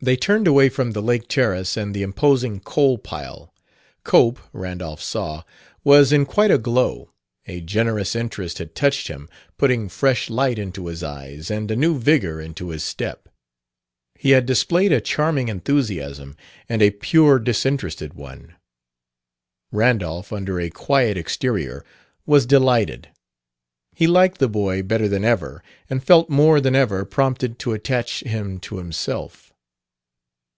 They turned away from the lake terrace and the imposing coal pile. Cope, Randolph saw, was in quite a glow; a generous interest had touched him, putting fresh light into his eyes and a new vigor into his step. He had displayed a charming enthusiasm, and a pure, disinterested one. Randolph, under a quiet exterior, was delighted. He liked the boy better than ever, and felt more than ever prompted to attach him to himself.